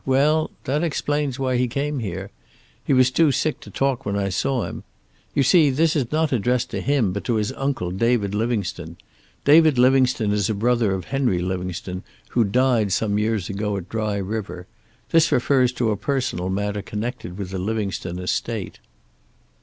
"Well, that explains why he came here. He was too sick to talk when I saw him. You see, this is not addressed to him, but to his uncle, David Livingstone. David Livingstone is a brother of Henry Livingstone, who died some years ago at Dry River. This refers to a personal matter connected with the Livingstone estate."